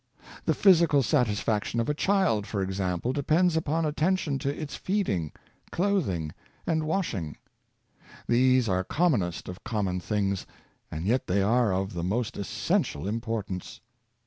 The physical satisfac tion of a child, for example, depends upon attention to its feeding, clothing and washing. These are the com monest of common things, and yet they are of the most essential importance.